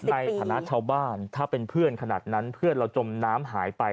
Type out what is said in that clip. ในฐานะชาวบ้านถ้าเป็นเพื่อนขนาดนั้นเพื่อนเราจมน้ำหายไป